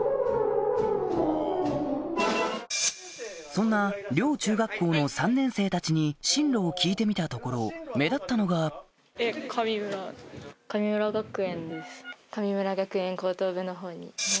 そんな両中学校の３年生たちに進路を聞いてみたところ目立ったのが神村学園？